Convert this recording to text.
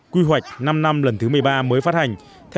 quy hoạch năm năm lần thứ một mươi ba mới phát hành